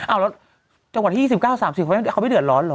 เอาแล้วจังหวัดที่๒๙๓๐เขาไม่เดือดร้อนเหรอ